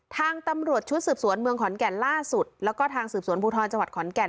ทางตำรวจชุดสืบสวนเมืองขอนแก่นล่าสุดแล้วก็ทางสืบสวนภูทรจังหวัดขอนแก่น